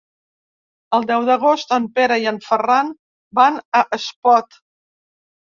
El deu d'agost en Pere i en Ferran van a Espot.